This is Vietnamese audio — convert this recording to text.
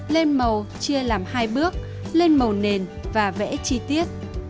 lên màu chia làm hai bước lên màu nền và vẽ chi tiết